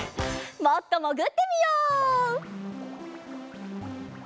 もっともぐってみよう！